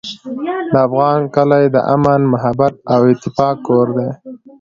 د افغان کلی د امن، محبت او اتفاق کور دی.